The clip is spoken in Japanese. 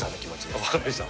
分かりました。